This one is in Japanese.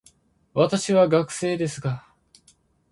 私は学生ですが、